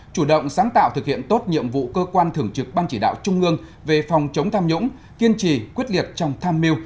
chủ động sáng tạo thực hiện tốt nhiệm vụ cơ quan thường trực ban chỉ đạo trung ương về phòng chống tham nhũng kiên trì quyết liệt trong tham mưu